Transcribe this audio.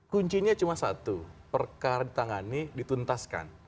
kuncinya cuma satu perkara ditangani dituntaskan